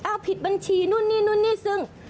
เอ้าผิดบัญชีนี่ซึ่ง